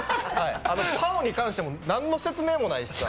パオに関しても、何の説明もないしさ。